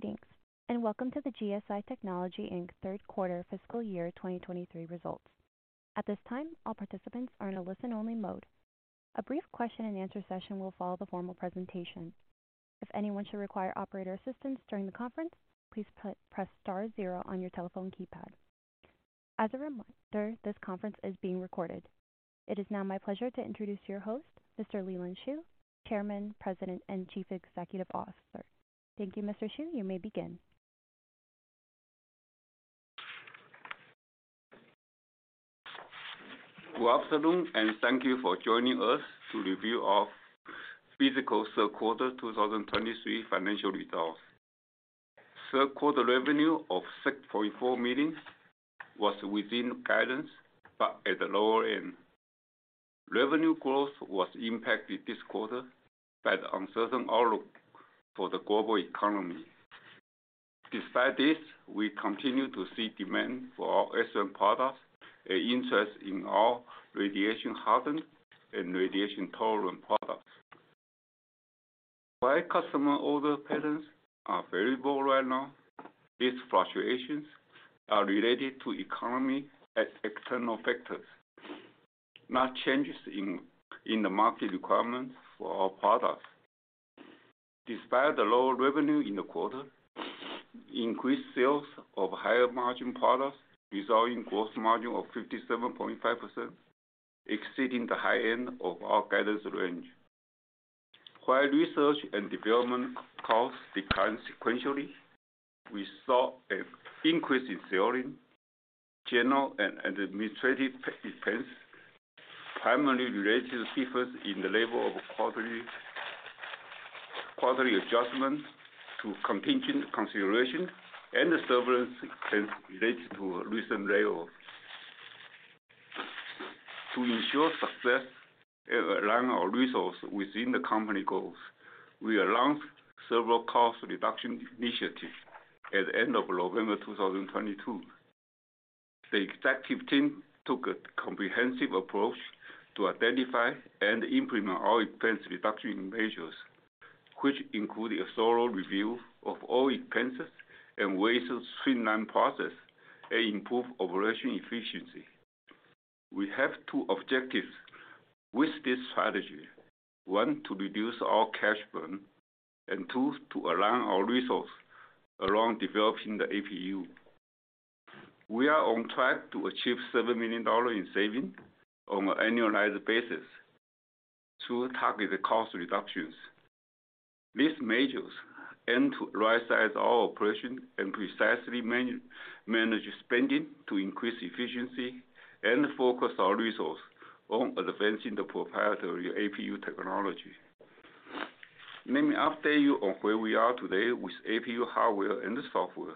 Greetings, welcome to the GSI Technology Inc. Q3 fiscal year 2023 results. At this time, all participants are in a listen-only mode. A brief question and answer session will follow the formal presentation. If anyone should require operator assistance during the conference, please press star zero on your telephone keypad. As a reminder, this conference is being recorded. It is now my pleasure to introduce your host, Mr. Lee-Lean Shu, Chairman, President, and Chief Executive Officer. Thank you, Mr. Shu. You may begin. Good afternoon, thank you for joining us to review our fiscal Q3 2023 financial results. Q3 revenue of $6.4 million was within guidance, but at the lower end. Revenue growth was impacted this quarter by the uncertain outlook for the global economy. Despite this, we continue to see demand for our ASIC products and interest in our radiation-hardened and radiation-tolerant products. While customer order patterns are variable right now, these fluctuations are related to economy and external factors, not changes in the market requirements for our products. Despite the lower revenue in the quarter, increased sales of higher margin products resulting in gross margin of 57.5%, exceeding the high end of our guidance range. While research and development costs declined sequentially, we saw an increase in selling, general and administrative expense, primarily related to difference in the level of quarterly adjustments to contingent consideration and the severance expense related to a recent layoff. To ensure success and align our resource within the company goals, we announced several cost reduction initiatives at the end of November 2022. The executive team took a comprehensive approach to identify and implement our expense reduction measures, which include a thorough review of all expenses and ways to streamline process and improve operation efficiency. We have two objectives with this strategy. One, to reduce our cash burn. Two, to align our resource around developing the APU. We are on track to achieve $7 million in savings on an annualized basis through targeted cost reductions. These measures aim to rightsize our operation and precisely man-manage spending to increase efficiency and focus our resource on advancing the proprietary APU technology. Let me update you on where we are today with APU hardware and the software.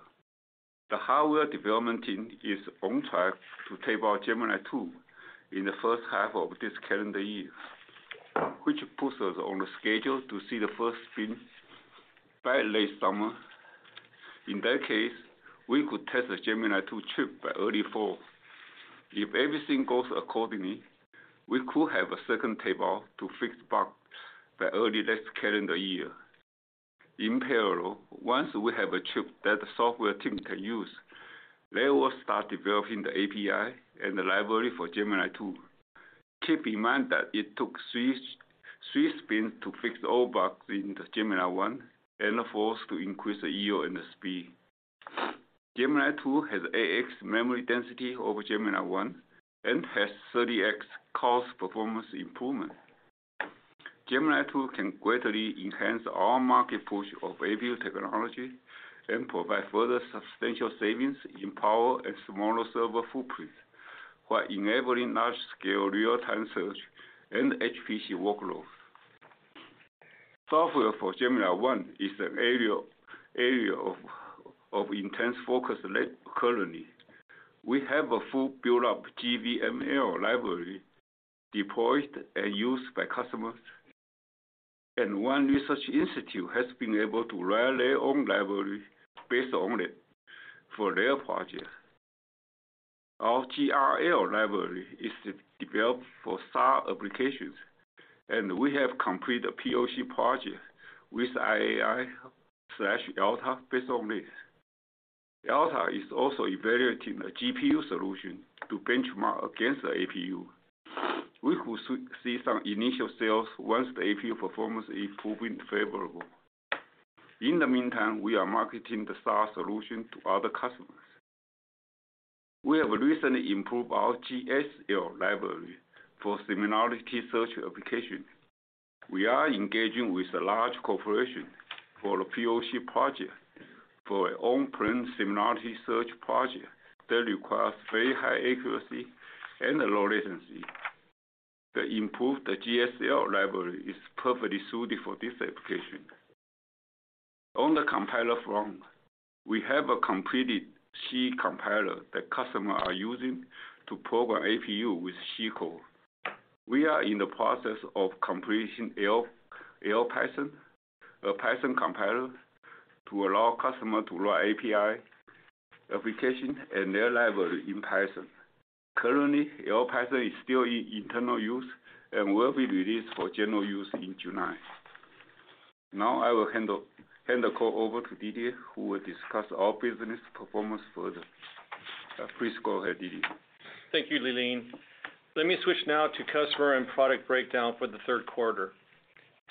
The hardware development team is on track to tape out Gemini-II in the first half of this calendar year, which puts us on the schedule to see the first spin by late summer. In that case, we could test the Gemini-II chip by early fall. If everything goes accordingly, we could have a second tape out to fix bugs by early next calendar year. In parallel, once we have a chip that the software team can use, they will start developing the API and the library for Gemini-II. Keep in mind that it took three spins to fix all bugs in the Gemini-I. The fourth to increase the I/O and the speed. Gemini-II has 8x memory density over Gemini-I and has 30x cost performance improvement. Gemini-II can greatly enhance our market push of APU technology and provide further substantial savings in power and smaller server footprint, while enabling large scale real-time search and HPC workloads. Software for Gemini-I is an area of intense focus currently. We have a full build up GVML library deployed and used by customers. One research institute has been able to write their own library based on it for their project. Our GRL library is developed for SAR applications. We have completed a POC project with IAI/ELTA based on this. ELTA is also evaluating a GPU solution to benchmark against the APU. We could see some initial sales once the APU performance is proven favorable. In the meantime, we are marketing the SAR solution to other customers. We have recently improved our GSL library for similarity search application. We are engaging with a large corporation for a POC project for an on-prem similarity search project that requires very high accuracy and a low latency. The improved GSL library is perfectly suited for this application. On the compiler front, we have a completed C compiler that customer are using to program APU with C code. We are in the process of completing LPython, a Python compiler, to allow customer to write API. Application and their library in Python. Currently, LPython is still in internal use and will be released for general use in July. Now I will hand the call over to Didier, who will discuss our business performance further. Please go ahead, Didier. Thank you, Leland. Let me switch now to customer and product breakdown for the Q3.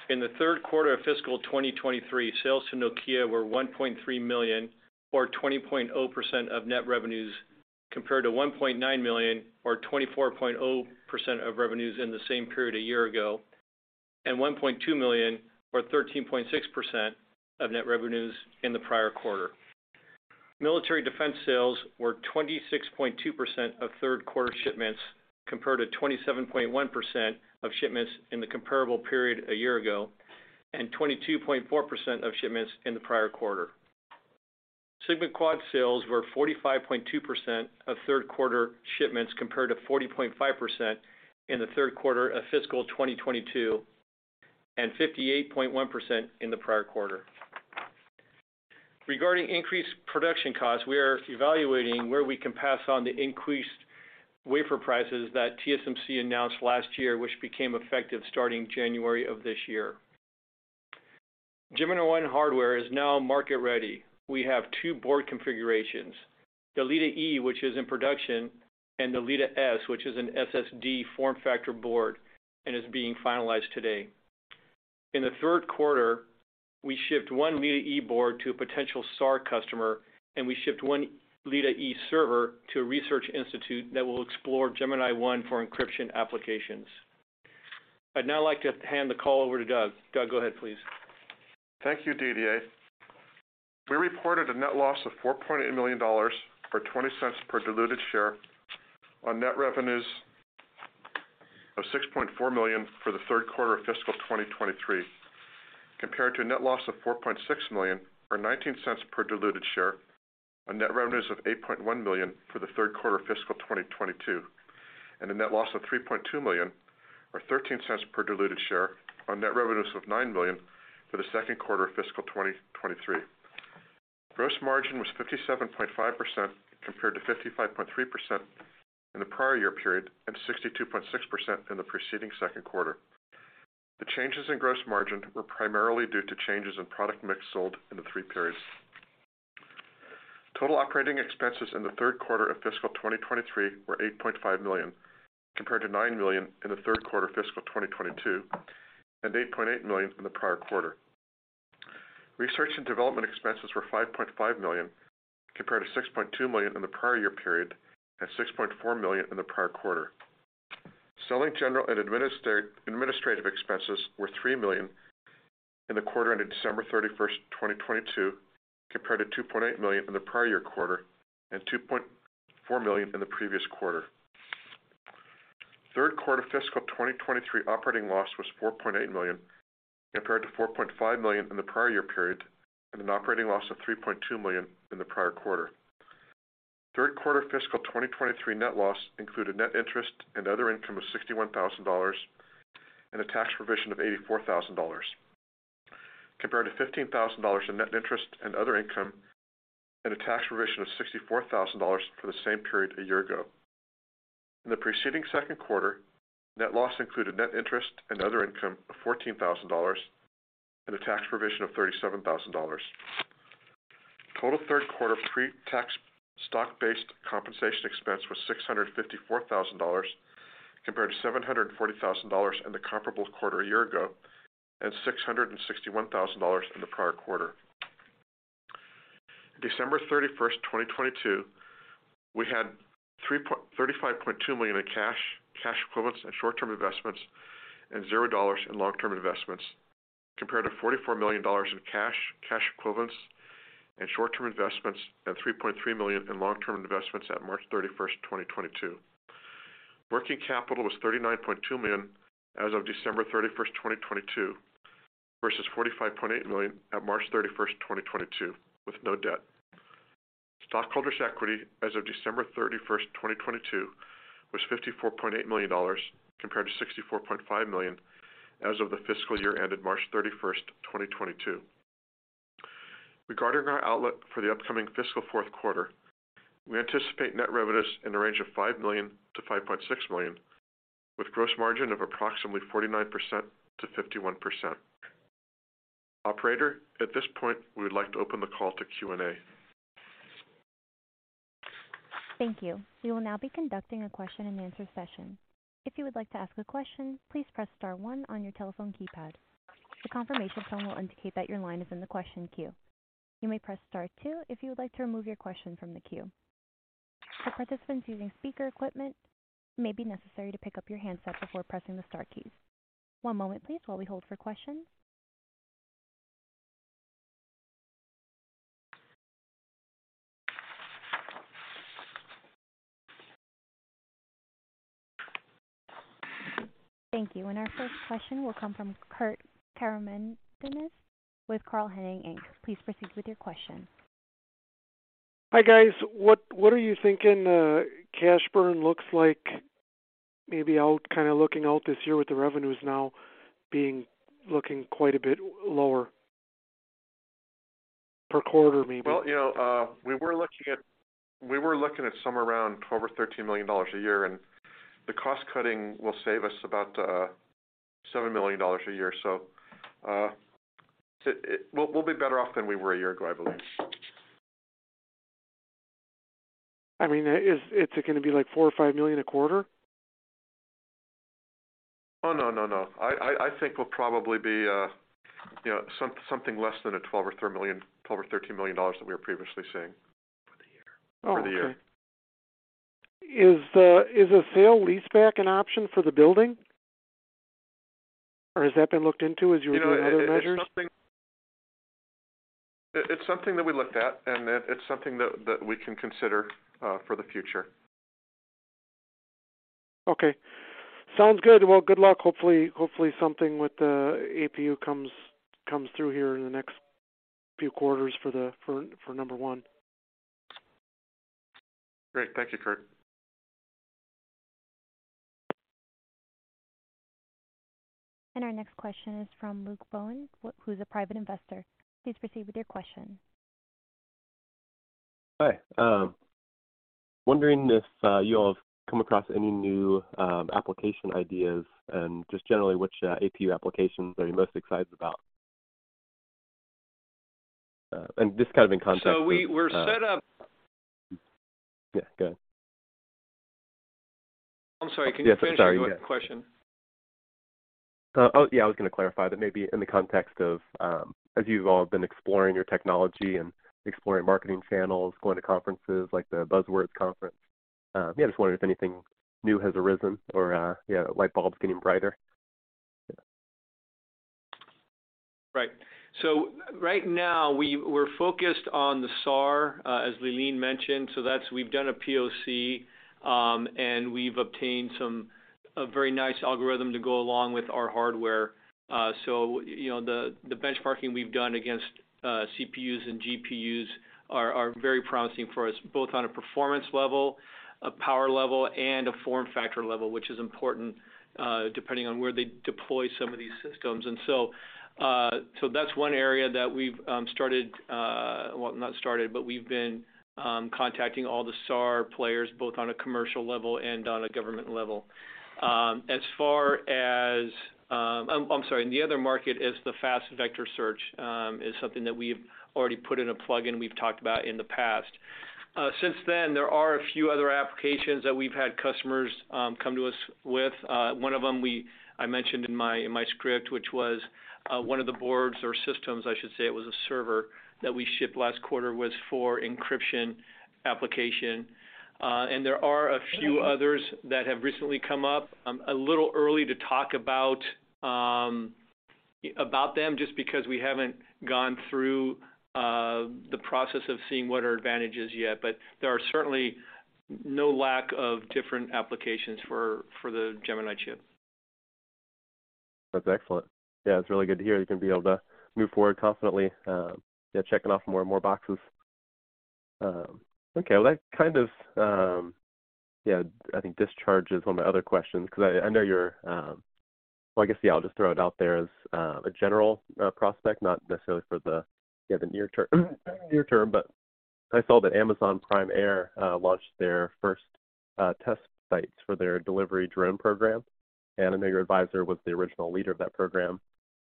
In the Q3 of fiscal 2023, sales to Nokia were $1.3 million, or 20.0% of net revenues, compared to $1.9 million or 24.0% of revenues in the same period a year ago, and $1.2 million or 13.6% of net revenues in the prior quarter. Military defense sales were 26.2% of Q3 shipments, compared to 27.1% of shipments in the comparable period a year ago, and 22.4% of shipments in the prior quarter. SigmaQuad sales were 45.2% of Q3 shipments, compared to 40.5% in the Q3 of fiscal 2022 and 58.1% in the prior quarter. Regarding increased production costs, we are evaluating where we can pass on the increased wafer prices that TSMC announced last year, which became effective starting January of this year. Gemini One hardware is now market ready. We have two board configurations, the Leda-E, which is in production, and the Leda-S, which is an SSD form factor board and is being finalized today. In the Q3, we shipped one Leda-E board to a potential SAR customer, and we shipped one Leda-E server to a research institute that will explore Gemini One for encryption applications. I'd now like to hand the call over to Doug. Doug, go ahead please. Thank you, Didier. We reported a net loss of $4.8 million, or $0.20 per diluted share on net revenues of $6.4 million for the Q3 of fiscal 2023, compared to a net loss of $4.6 million or $0.19 per diluted share on net revenues of $8.1 million for the Q3 of fiscal 2022, and a net loss of $3.2 million or $0.13 per diluted share on net revenues of $9 million for the Q2 of fiscal 2023. Gross margin was 57.5% compared to 55.3% in the prior year period and 62.6% in the preceding Q2. The changes in gross margin were primarily due to changes in product mix sold in the three periods. Total operating expenses in the Q3 of fiscal 2023 were $8.5 million, compared to $9 million in the Q3 of fiscal 2022 and $8.8 million in the prior quarter. Research and development expenses were $5.5 million, compared to $6.2 million in the prior year period and $6.4 million in the prior quarter. Selling, general and administrative expenses were $3 million in the quarter ended December 31st, 2022, compared to $2.8 million in the prior year quarter and $2.4 million in the previous quarter. Q3 fiscal 2023 operating loss was $4.8 million, compared to $4.5 million in the prior year period and an operating loss of $3.2 million in the prior quarter. Q3 fiscal 2023 net loss included net interest and other income of $61,000 and a tax provision of $84,000, compared to $15,000 in net interest and other income and a tax provision of $64,000 for the same period a year ago. In the preceding Q2, net loss included net interest and other income of $14,000 and a tax provision of $37,000. Total Q3 pre-tax stock-based compensation expense was $654,000, compared to $740,000 in the comparable quarter a year ago, and $661,000 in the prior quarter. December 31, 2022, we had $35.2 million in cash equivalents and short-term investments and $0 in long-term investments, compared to $44 million in cash equivalents and short-term investments, and $3.3 million in long-term investments at March 31, 2022. Working capital was $39.2 million as of December 31, 2022 versus $45.8 million at March 31, 2022, with no debt. Stockholders equity as of December 31, 2022 was $54.8 million, compared to $64.5 million as of the fiscal year ended March 31, 2022. Regarding our outlook for the upcoming fiscal Q4, we anticipate net revenues in the range of $5 million-$5.6 million, with gross margin of approximately 49%-51%. Operator, at this point, we would like to open the call to Q&A. Thank you. We will now be conducting a question and answer session. If you would like to ask a question, please press star one on your telephone keypad. The confirmation tone will indicate that your line is in the question queue. You may press Star two if you would like to remove your question from the queue. For participants using speaker equipment, it may be necessary to pick up your handset before pressing the star keys. One moment please while we hold for questions. Thank you. Our first question will come from Kurt Caramanidis with Carl M Henning. Please proceed with your question. Hi, guys. What are you thinking cash burn looks like? Maybe out, kind of looking out this year with the revenues now being looking quite a bit lower per quarter, maybe? Well, you know, we were looking at somewhere around $12 million or $13 million a year. The cost cutting will save us about $7 million a year. We'll be better off than we were a year ago, I believe. I mean, is it gonna be like $4 million or $5 million a quarter? Oh, no, no. I think we'll probably be, you know, something less than the $12 million-$13 million that we were previously saying. For the year. For the year. Oh, okay. Is a sale leaseback an option for the building? Has that been looked into as you're doing other measures? You know, it's something that we looked at, and it's something that we can consider for the future. Okay. Sounds good. Well, good luck. Hopefully something with the APU comes through here in the next few quarters for the number one. Great. Thank you, Kurt. And our next question is from Luke Bowen, who's a Private Investor. Please proceed with your question. Hi. Wondering if you all have come across any new application ideas and just generally which APU applications are you most excited about? Just kind of in context of- We were set up. Yeah, go ahead. I'm sorry. Can you? Yes, sorry. Yeah. the question? oh, yeah, I was gonna clarify that maybe in the context of, as you've all been exploring your technology and exploring marketing channels, going to conferences like the Berlin Buzzwords, yeah, just wondering if anything new has arisen or, yeah, light bulb's getting brighter? Yeah. Right. Right now we're focused on the SAR, as Lee-Lean mentioned. We've done a POC, and we've obtained some, a very nice algorithm to go along with our hardware. You know, the benchmarking we've done against CPUs and GPUs are very promising for us, both on a performance level, a power level, and a form factor level, which is important, depending on where they deploy some of these systems. That's one area that we've not started, but we've been contacting all the SAR players, both on a commercial level and on a government level. As far as, I'm sorry. The other market is the fast vector search, is something that we've already put in a plug-in, we've talked about in the past. Since then, there are a few other applications that we've had customers come to us with. One of them I mentioned in my, in my script, which was one of the boards or systems, I should say, it was a server that we shipped last quarter, was for encryption application. There are a few others that have recently come up, a little early to talk about about them just because we haven't gone through the process of seeing what are advantages yet. There are certainly no lack of different applications for the Gemini chip. That's excellent. Yeah, it's really good to hear you're gonna be able to move forward confidently, yeah, checking off more and more boxes. Okay. Well, that kind of, yeah, I think discharges one of my other questions 'cause I know you're. Well, I guess, yeah, I'll just throw it out there as a general prospect, not necessarily for the, yeah, the near term, near term, but I saw that Amazon Prime Air launched their first test sites for their delivery drone program, and I know your advisor was the original leader of that program.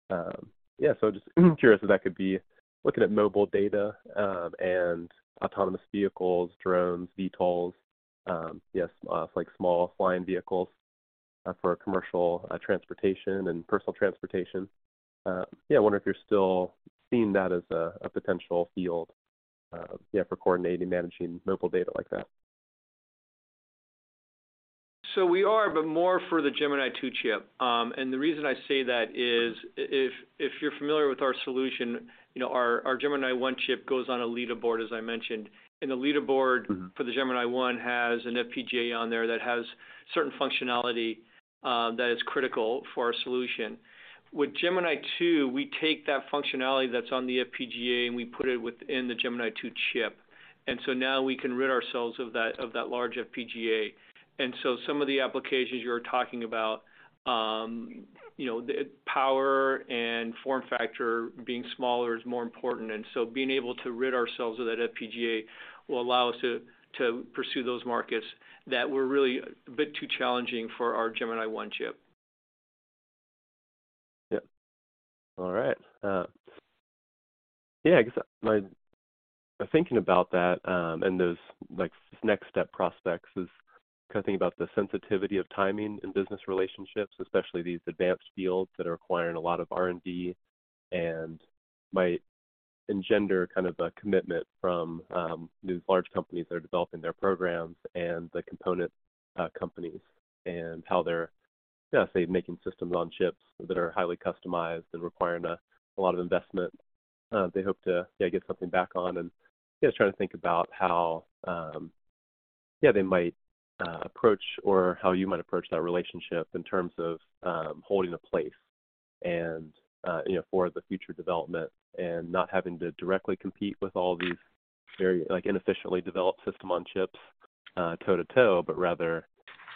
Yeah, just curious if that could be looking at mobile data and autonomous vehicles, drones, VTOLs, yes, like small flying vehicles for commercial transportation and personal transportation. Yeah, wonder if you're still seeing that as a potential field, yeah, for coordinating, managing mobile data like that. We are, but more for the Gemini-II chip. The reason I say that is if you're familiar with our solution, you know, our Gemini-I chip goes on a Leda board, as I mentioned. The leaderboard for the Gemini-I has an FPGA on there that has certain functionality that is critical for our solution. With Gemini-II, we take that functionality that's on the FPGA, and we put it within the Gemini-II chip. Now we can rid ourselves of that large FPGA. Some of the applications you're talking about, you know, the power and form factor being smaller is more important. Being able to rid ourselves of that FPGA will allow us to pursue those markets that were really a bit too challenging for our Gemini-I chip. Yeah. All right. Yeah, I guess my thinking about that, and those like next step prospects is kind of thinking about the sensitivity of timing in business relationships, especially these advanced fields that are requiring a lot of R&D and might engender kind of a commitment from these large companies that are developing their programs and the component companies and how they're say, making systems on chips that are highly customized and requiring a lot of investment, they hope to get something back on. Yeah, just trying to think about how they might approach or how you might approach that relationship in terms of holding a place and, you know, for the future development and not having to directly compete with all these very, like, inefficiently developed System-on-Chips, toe-to-toe, but rather,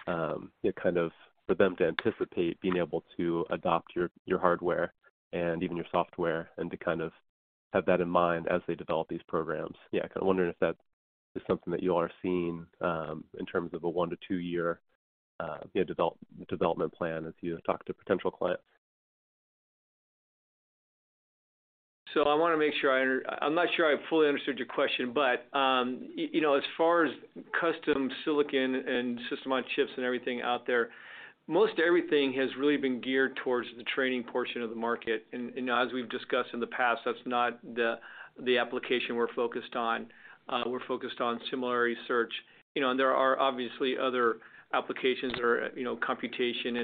you know, kind of for them to anticipate being able to adopt your hardware and even your software and to kind of have that in mind as they develop these programs. Yeah. I kind of wondering if that is something that you all are seeing in terms of a one to two year, you know, development plan as you talk to potential clients. I wanna make sure I'm not sure I fully understood your question, but, you know, as far as custom silicon and System-on-Chips and everything out there, most everything has really been geared towards the training portion of the market. As we've discussed in the past, that's not the application we're focused on. We're focused on similarity search, you know, and there are obviously other applications that are, you know, computation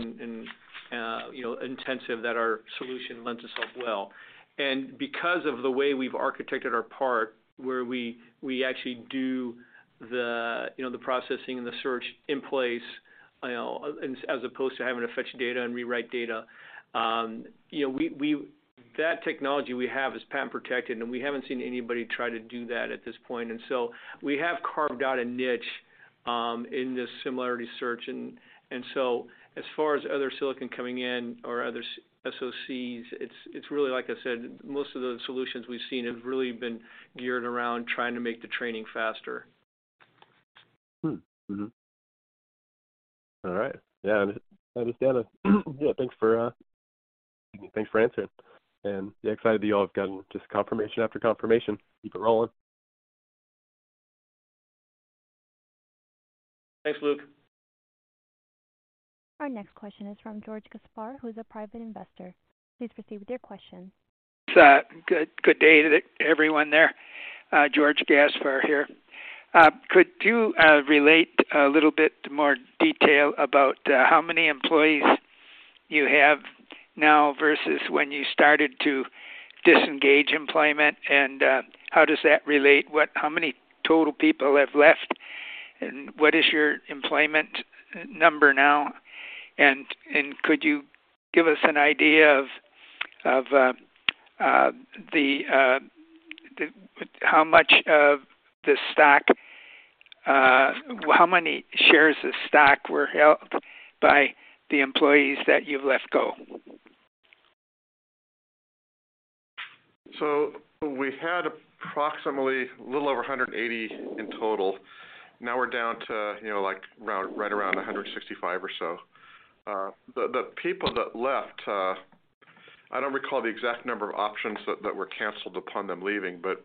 and, you know, intensive that our solution lends itself well. Because of the way we've architected our part, where we actually do the, you know, the processing and the search in place, you know, as opposed to having to fetch data and rewrite data, you know. That technology we have is patent protected, and we haven't seen anybody try to do that at this point. We have carved out a niche in this similarity search. As far as other silicon coming in or other SoCs, it's really like I said, most of the solutions we've seen have really been geared around trying to make the training faster. All right. I understand that. Thanks for answering. Excited that you all have gotten just confirmation after confirmation. Keep it rolling. Thanks, Luke. Our next question is from George Gaspard, who is a Private Investor. Please proceed with your question. Thanks, good day to everyone there. George Gaspard here. Could you relate a little bit more detail about how many employees you have now versus when you started to disengage employment? How does that relate? How many total people have left, and what is your employment number now? Could you give us an idea of How much of the stock, how many shares of stock were held by the employees that you've let go? We had approximately a little over 180 in total. Now we're down to, you know, like around, right around 165 or so. The people that left, I don't recall the exact number of options that were canceled upon them leaving, but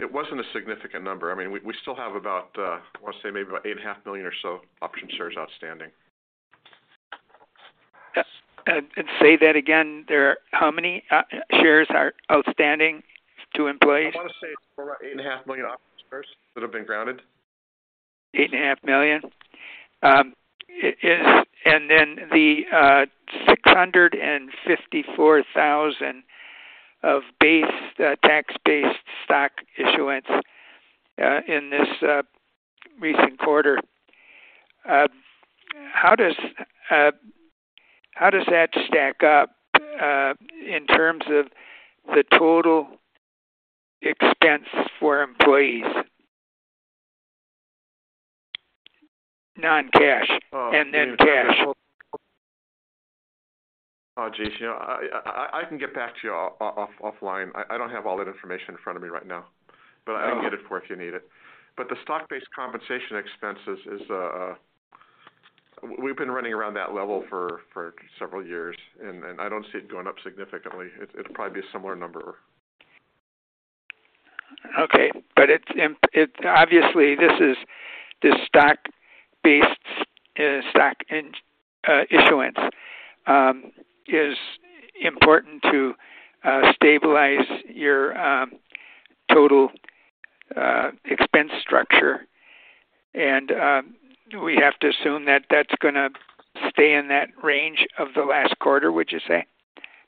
it wasn't a significant number. I mean, we still have about, I wanna say maybe about 8.5 million or so option shares outstanding. Yes. Say that again. How many shares are outstanding to employees? I wanna say it's about 8.5 Million options first that have been granted. Eight and a half million. The $654,000 of base tax-based stock issuance in this recent quarter, how does that stack up in terms of the total expense for employees? Non-cash and then cash. Oh, geez. You know, I can get back to you offline. I don't have all that information in front of me right now, but I can get it for if you need it. The stock-based compensation expenses is we've been running around that level for several years, and I don't see it going up significantly. It'll probably be a similar number. Okay. It's obviously this stock-based stock in issuance is important to stabilize your total expense structure. We have to assume that that's gonna stay in that range of the last quarter, would you say?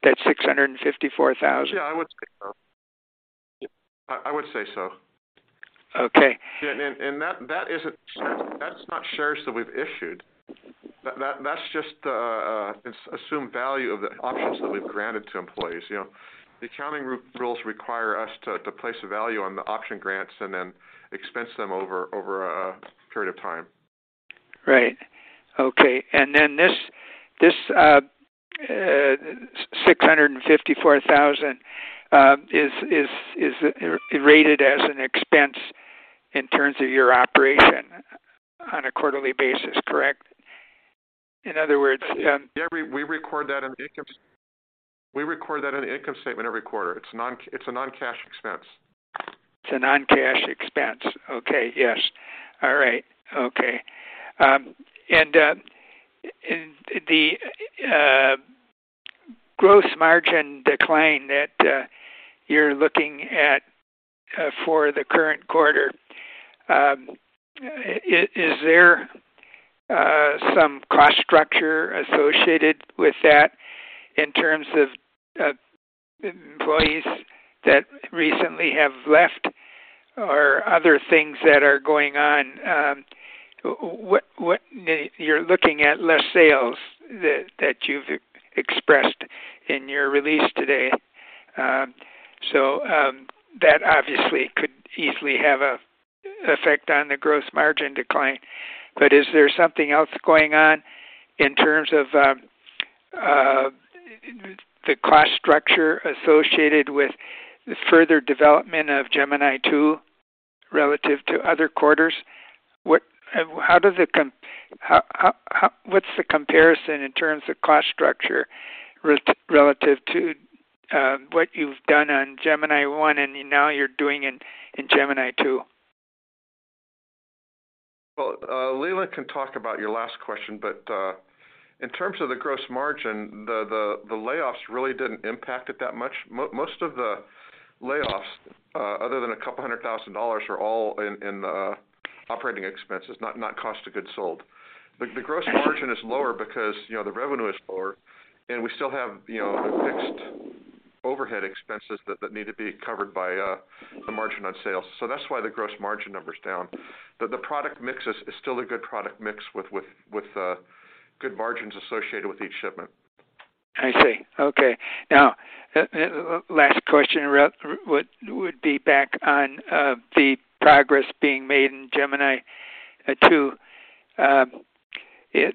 That $654,000. Yeah, I would say so. I would say so. Okay. Yeah. That isn't. That's not shares that we've issued. That's just assumed value of the options that we've granted to employees, you know. The accounting rules require us to place a value on the option grants and then expense them over a period of time. Right. Okay. Then this, $654,000, is rated as an expense in terms of your operation on a quarterly basis, correct? In other words, Yeah, we record that in the income statement every quarter. It's a non-cash expense. It's a non-cash expense. Okay. Yes. All right. Okay. The gross margin decline that you're looking at for the current quarter, is there some cost structure associated with that in terms of employees that recently have left? Or other things that are going on, you're looking at less sales that you've expressed in your release today. That obviously could easily have a effect on the gross margin decline. Is there something else going on in terms of the cost structure associated with the further development of Gemini-II relative to other quarters? What's the comparison in terms of cost structure relative to what you've done on Gemini-I and now you're doing in Gemini-II? Well, Leland can talk about your last question, but in terms of the gross margin, the layoffs really didn't impact it that much. Most of the layoffs, other than a couple hundred thousand dollars, are all in the operating expenses, not cost of goods sold. The gross margin is lower because, you know, the revenue is lower, and we still have, you know, the fixed overhead expenses that need to be covered by the margin on sales. That's why the gross margin number's down. The product mix is still a good product mix with good margins associated with each shipment. I see. Okay. Now, last question would be back on the progress being made in Gemini-II. You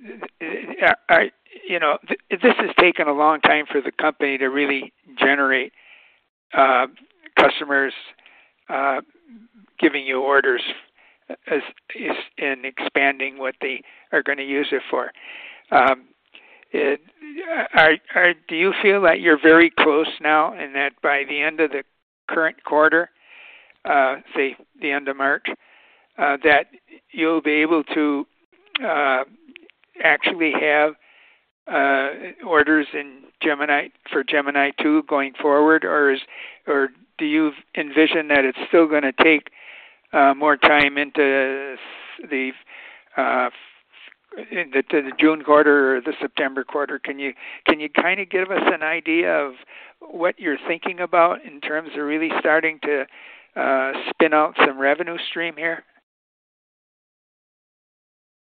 know, this has taken a long time for the company to really generate customers, giving you orders as in expanding what they are gonna use it for. Do you feel that you're very close now, and that by the end of the current quarter, say the end of March, that you'll be able to actually have orders for Gemini-II going forward? Or do you envision that it's still gonna take more time into the June quarter or the September quarter? Can you kinda give us an idea of what you're thinking about in terms of really starting to spin out some revenue stream here?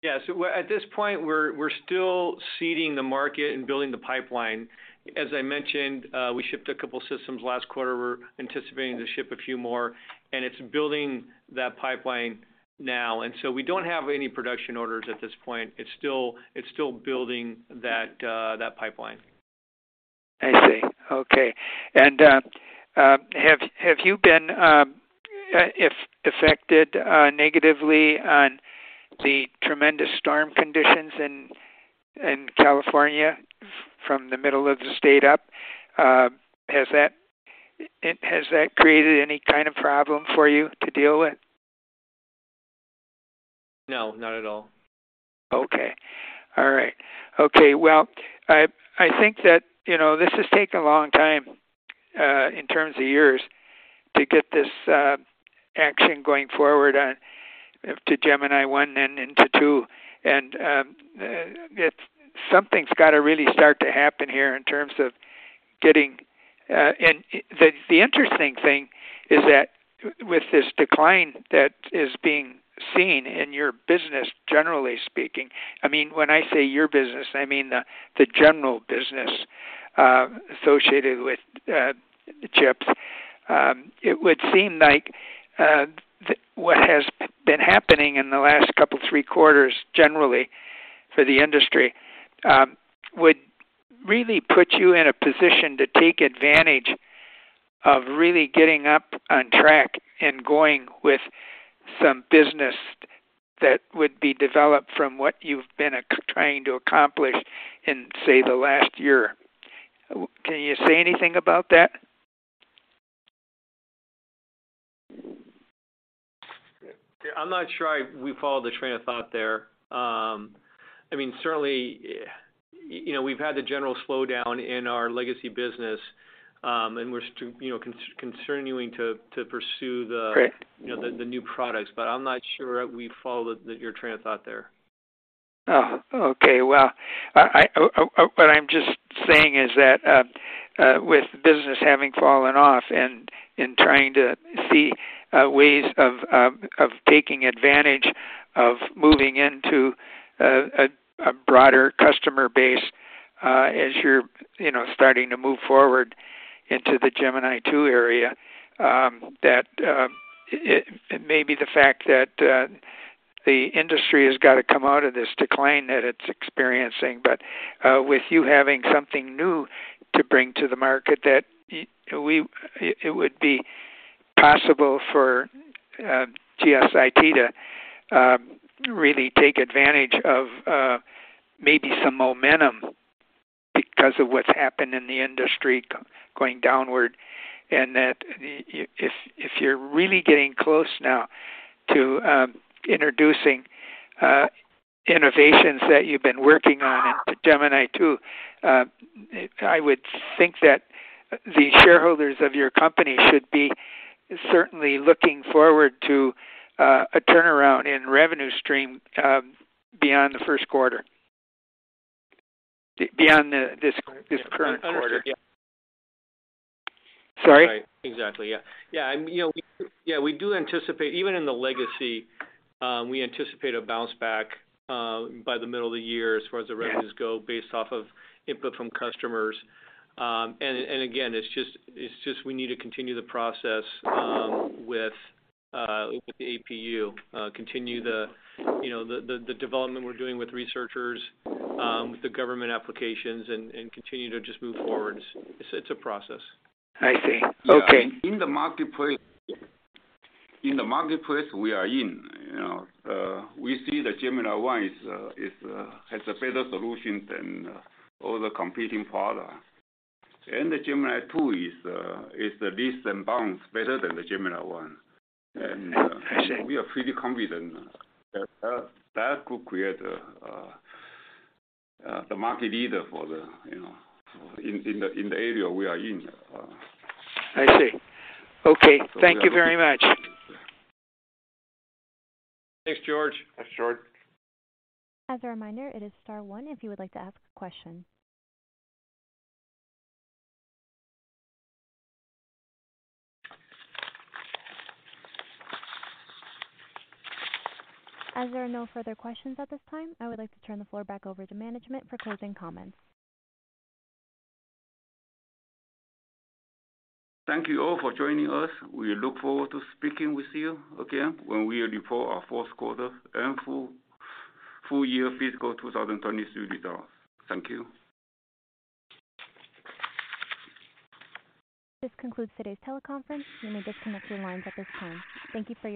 Yeah. At this point, we're still seeding the market and building the pipeline. As I mentioned, we shipped a couple systems last quarter. We're anticipating to ship a few more, and it's building that pipeline now. We don't have any production orders at this point. It's still building that pipeline. I see. Okay. Have you been affected negatively on the tremendous storm conditions in California from the middle of the state up, has that created any kind of problem for you to deal with? No, not at all. Okay. All right. Okay. Well, I think that, you know, this has taken a long time, in terms of years to get this action going forward on to Gemini-I and into Gemini-II. Something's gotta really start to happen here in terms of getting, the interesting thing is that with this decline that is being seen in your business, generally speaking, I mean, when I say your business, I mean the general business, associated with chips, it would seem like what has been happening in the last two, three quarters generally for the industry, would really put you in a position to take advantage of really getting up on track and going with some business that would be developed from what you've been trying to accomplish in, say, the last year. Can you say anything about that? I'm not sure we followed the train of thought there. I mean, certainly, you know, we've had the general slowdown in our legacy business, and we're continuing to pursue. Correct. You know, the new products, but I'm not sure we followed the, your train of thought there. Oh, okay. Well, I What I'm just saying is that with business having fallen off and trying to see ways of taking advantage of moving into a broader customer base, as you're, you know, starting to move forward into the Gemini-II area, that it may be the fact that the industry has gotta come out of this decline that it's experiencing. With you having something new to bring to the market that it would be possible for GSIT to really take advantage of maybe some momentum because of what's happened in the industry going downward, and that if you're really getting close now to introducing innovations that you've been working on in Gemini-II, I would think that the shareholders of your company should be certainly looking forward to a turnaround in revenue stream beyond the Q1. Beyond this current quarter. Understood, yeah. Sorry? Exactly, yeah. Yeah, you know, we do anticipate, even in the legacy, we anticipate a bounce back by the middle of the year. Yeah. Revenues go based off of input from customers. Again, it's just we need to continue the process with the APU, continue the, you know, the development we're doing with researchers, with the government applications and continue to just move forward. It's a process. I see. Okay. Yeah, in the marketplace we are in, you know, we see the Gemini-I is, has a better solution than all the competing product. The Gemini-II is the leaps and bounds better than the Gemini-I. I see. We are pretty confident that could create the market leader for the, you know, for in the, in the area we are in. I see. Okay. Thank you very much. Thanks, George. Thanks, George. As a reminder, it is star one if you would like to ask a question. As there are no further questions at this time, I would like to turn the floor back over to management for closing comments. Thank you all for joining us. We look forward to speaking with you again when we report our Q4 and full year fiscal 2023 results. Thank you. This concludes today's teleconference. You may disconnect your lines at this time. Thank you for your participation.